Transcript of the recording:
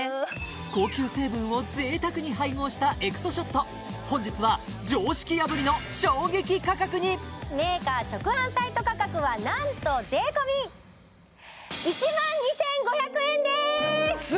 高級成分を贅沢に配合したエクソショット本日は常識破りのメーカー直販サイト価格はなんと税込１万２５００円です！